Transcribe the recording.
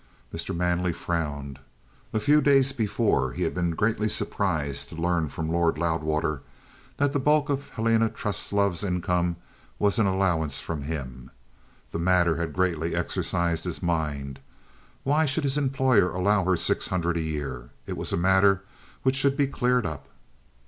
Mr. Manley frowned. A few days before he had been greatly surprised to learn from Lord Loudwater that the bulk of Helena Truslove's income was an allowance from him. The matter had greatly exercised his mind. Why should his employer allow her six hundred a year? It was a matter which should be cleared up.